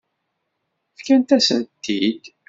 Fkant-asen-tent-id.